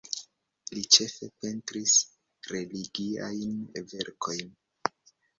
Li ĉefe pentris religiajn verkojn.